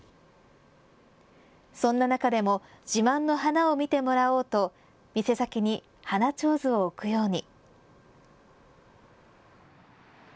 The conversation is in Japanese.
そんな中でも自慢の花を見てもらおうと店先に花ちょうずを置くように。